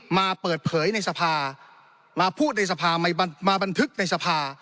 มาเปิดเผยในสภามาพูดในสภามาบันทึกในสภา